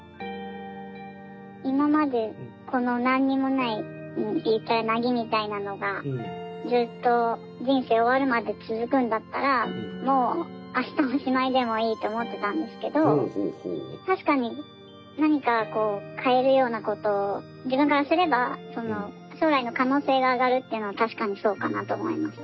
今までこの何にもない言ったらなぎみたいなのがずっと人生終わるまで続くんだったらもうあしたおしまいでもいいと思ってたんですけど確かに何か変えるようなことを自分からすれば将来の可能性が上がるというのは確かにそうかなと思いました。